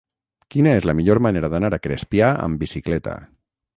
Quina és la millor manera d'anar a Crespià amb bicicleta?